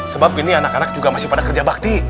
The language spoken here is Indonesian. sebab ini anak anak juga masih pada kerja bakti